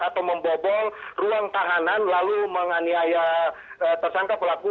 atau membobol ruang tahanan lalu menganiaya tersangka pelaku